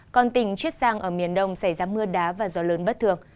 còn tỉnh chiết giang ở miền đông xảy ra mưa đá và gió lớn bất thường